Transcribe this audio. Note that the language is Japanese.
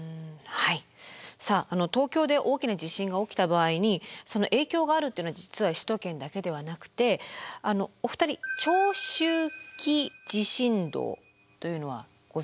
さあ東京で大きな地震が起きた場合に影響があるっていうのは実は首都圏だけではなくてお二人「長周期地震動」というのはご存じですか？